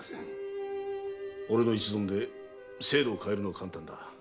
俺の一存で制度を変えるのは簡単だ。